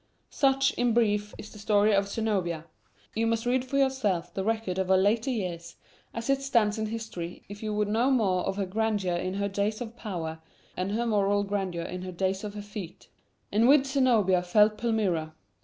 Such, in brief, is the story of Zenobia. You must read for yourselves the record of her later years, as it stands in history, if you would know more of her grandeur in her days of power, and her moral grandeur in her days of defeat. And with Zenobia fell Palmyra.